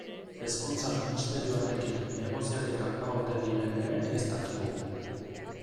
Hezkuntza Ministerioarekin negoziaketak ba ote diren ere ez dakigu.